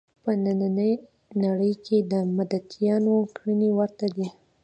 په نننۍ نړۍ کې د متدینانو کړنې ورته دي.